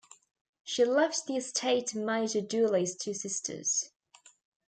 She left the estate to Major Dooley's two sisters.